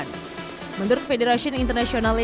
sementara itu demi mensukseskan ajang world superbike